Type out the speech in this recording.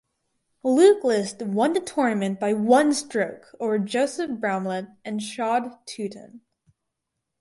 Luke List won the tournament by one stroke over Joseph Bramlett and Shad Tuten.